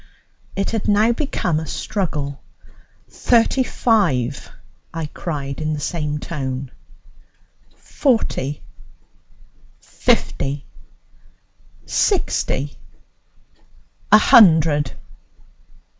It had now become a struggle. "Thirty five," I cried in the same tone. "Forty." "Fifty." "Sixty." "A hundred."